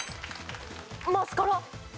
マスカラ。